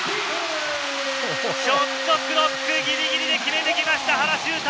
ショットクロックギリギリで決めてきました、原修太！